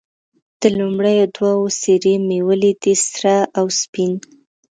د لومړیو دوو څېرې مې یې ولیدې، سره او سپین.